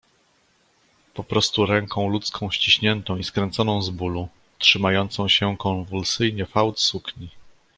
"Poprostu ręką ludzką ściśniętą i skręconą z bólu, trzymającą się konwulsyjnie fałd sukni."